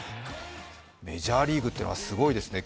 メジャーリーグっていうのはすごいですね。